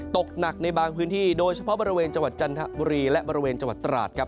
ตกหนักในบางพื้นที่โดยเฉพาะบริเวณจังหวัดจันทบุรีและบริเวณจังหวัดตราดครับ